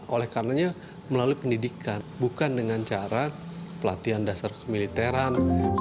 oleh karenanya melalui pendidikan bukan dengan cara pelatihan dasar kemiliteran